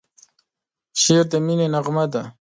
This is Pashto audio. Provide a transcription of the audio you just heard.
شعر د مینې نغمه ده.